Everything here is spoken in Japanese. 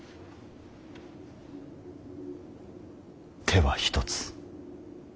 手は一つ。